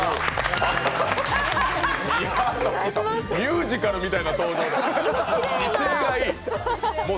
ミュージカルみたいな登場。